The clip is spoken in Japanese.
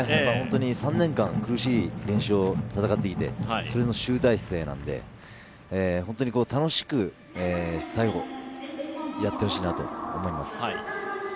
３年間苦しい練習を戦ってきてそれの集大成なので、本当に楽しく最後、やってほしいなと思います。